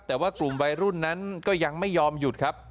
แต่ว่ากลุ่มวัยรุ่นนั้นก็ยังไม่ยอมหยุดครับ